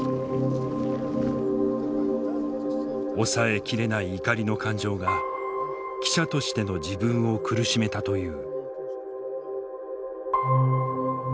抑え切れない怒りの感情が記者としての自分を苦しめたという。